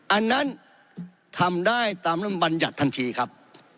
อันนั้นทำได้ตามลำบัญญัติทันทีครับ